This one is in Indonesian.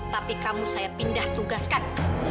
tapi kamu saya pindah tugaskan